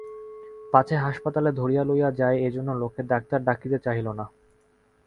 পাছে হাসপাতালে ধরিয়া লইয়া যায় এজন্য লোকে ডাক্তার ডাকিতে চাহিল না।